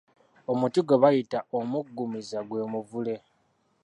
Omuti gwe bayita omuggumiza gwe Muvule.